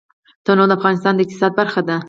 تنوع د افغانستان د اقتصاد برخه ده.